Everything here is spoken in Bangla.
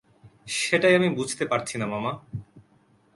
সেটাই আমি বুঝতে পারছি না মামা!